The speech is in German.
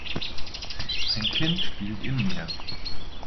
Ein Kind spielt im Meer.